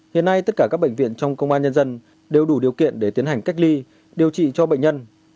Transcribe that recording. hiện nay tất cả các bệnh viện trong công an nhân dân đều đủ điều kiện để tiến hành cách ly điều trị cho bệnh nhân